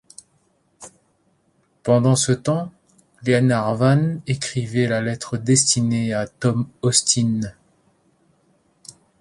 Pendant ce temps, Glenarvan écrivait la lettre destinée à Tom Austin.